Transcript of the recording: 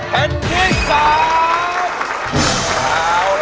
แผ่นที่สาม